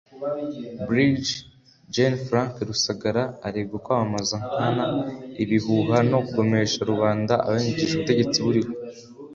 Brig Gen Frank Rusagara aregwa kwamamaza nkana ibihuha no kugomesha rubanda abangisha ubutegetsi buriho